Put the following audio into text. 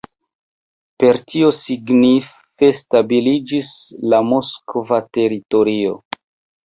Per tio signife stabiliĝis la moskva teritorio.